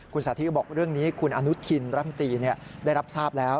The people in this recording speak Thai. คุณสาธิตบอกเรื่องนี้คุณอนุทินรำตีได้รับทราบแล้ว